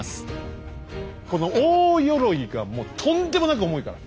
この大鎧がもうとんでもなく重いから！